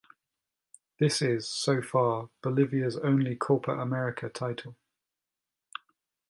This is, so far, Bolivia's only Copa America title.